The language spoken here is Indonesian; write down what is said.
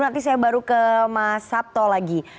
nanti saya baru ke mas sabto lagi